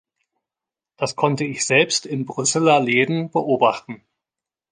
Das konnte ich selbst in Brüsseler Läden beobachten.